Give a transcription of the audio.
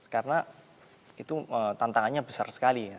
karena itu tantangannya besar sekali